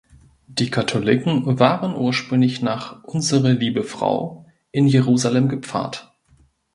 Die Katholiken waren ursprünglich nach Unsere Liebe Frau in Jerusalem gepfarrt.